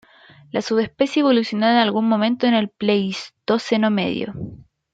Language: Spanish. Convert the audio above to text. La subespecie evolucionó en algún momento en el Pleistoceno medio.